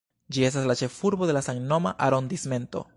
Ĝi estas la ĉefurbo de la samnoma arondismento.